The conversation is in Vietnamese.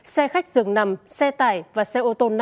xe khách dừng nằm xe tải và xe ô tô năm chỗ